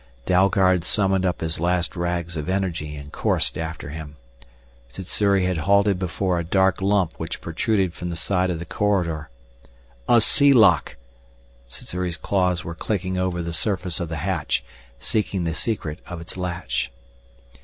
Dalgard summoned up his last rags of energy and coursed after him. Sssuri had halted before a dark lump which protruded from the side of the corridor. "A sea lock!" Sssuri's claws were clicking over the surface of the hatch, seeking the secret of its latch.